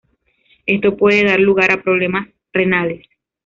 Esto puede dar lugar a problemas renales.